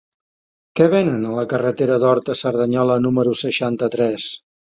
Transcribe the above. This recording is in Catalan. Què venen a la carretera d'Horta a Cerdanyola número seixanta-tres?